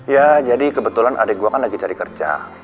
ya jadi kebetulan adik gue kan lagi cari kerja